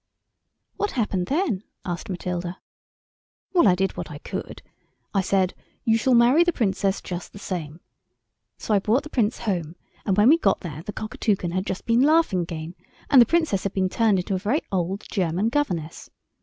"What happened then?" asked Matilda. "Well, I did what I could. I said, 'You shall marry the Princess just the same.' So I brought the Prince home, and when we got there the Cockatoucan had just been laughing again, and the Princess had turned into a very old German governess.